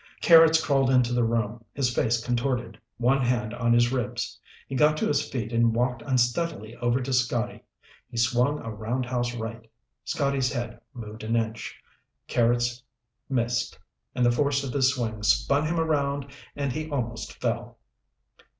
Carrots crawled into the room, his face contorted, one hand on his ribs. He got to his feet and walked unsteadily over to Scotty. He swung a roundhouse right. Scotty's head moved an inch. Carrots missed, and the force of his swing spun him around and he almost fell.